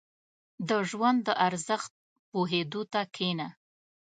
• د ژوند د ارزښت پوهېدو ته کښېنه.